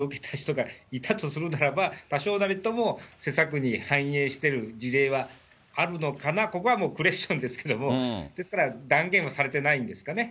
声の大きい政治家が仮に影響、宗教の影響を受けた人がいたとするならば、多少なりとも施策に反映してる事例はあるのかな、ここはクエスチョンですけれども、ですから断言はされてないんですかね。